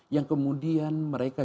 yang kemudian mereka